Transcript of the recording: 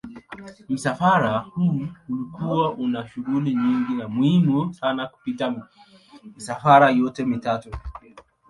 Msafara huu ulikuwa una shughuli nyingi na muhimu sana kupita misafara yote mitatu.